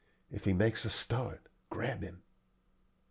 If he makes a start, grab him."